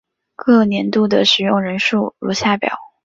各年度的使用人数如下表。